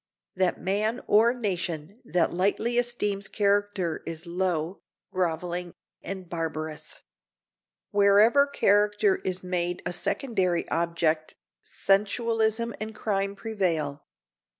That man or nation that lightly esteems character is low, groveling, and barbarous. Wherever character is made a secondary object sensualism and crime prevail.